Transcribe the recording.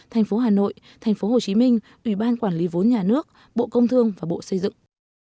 thành phố hà nội thành phố hồ chí minh ủy ban quản lý vốn nhà nước bộ công thương và bộ xây dựng